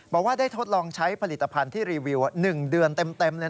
บอกว่าได้ทดลองใช้ผลิตภัณฑ์ที่รีวิว๑เดือนเต็มเลย